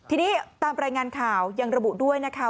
ทีนี้ตามรายงานข่าวยังระบุด้วยนะคะ